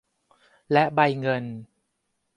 และใบเงิน